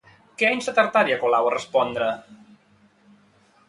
Què ha instat Artadi a Colau a respondre?